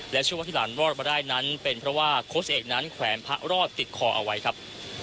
เชื่อว่าที่หลานรอดมาได้นั้นเป็นเพราะว่าโค้ชเอกนั้นแขวนพระรอดติดคอเอาไว้ครับ